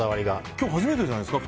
今日、初めてじゃないですか？